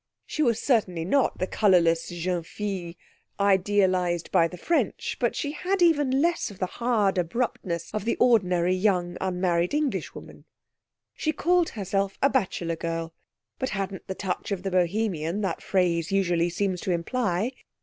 She was certainly not the colourless jeune fille idealised by the French, but she had even less of the hard abruptness of the ordinary young unmarried Englishwoman. She called herself a bachelor girl, but hadn't the touch of the Bohemian that phrase usually seems to imply.